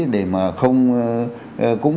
để mà không